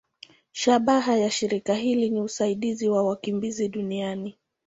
Shabaha ya shirika hili ni usaidizi kwa wakimbizi duniani.